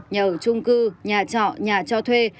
nhà ở trung cư nhà trọ nhà cho thuê